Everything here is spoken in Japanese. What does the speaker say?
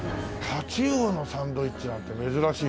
タチウオのサンドイッチなんて珍しいね。